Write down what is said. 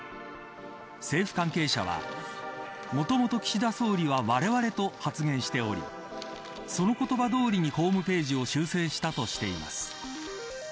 政府関係者はもともと岸田総理はわれわれと発言しておりその言葉どおりにホームページを修正した、としています。